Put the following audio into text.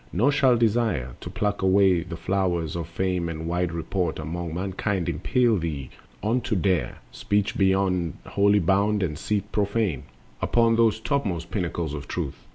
Nor shall desire To pluck the flowers of fame and wide report Among mankind impel thee on to dare Speech beyond holy bound and seat profane Upon those topmost pinnacles of Truth.